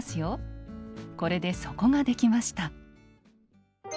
これで底ができました。